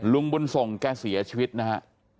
ลุงบุญส่งแกเสียชีวิตนะฮะ